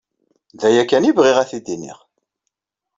D aya kan i bɣiɣ ad t-id-iniɣ.